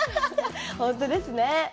本当ですね。